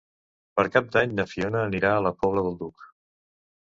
Per Cap d'Any na Fiona anirà a la Pobla del Duc.